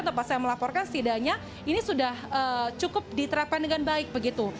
tempat saya melaporkan setidaknya ini sudah cukup diterapkan dengan baik begitu